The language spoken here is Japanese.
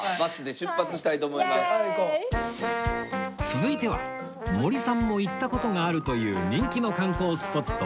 続いては森さんも行った事があるという人気の観光スポット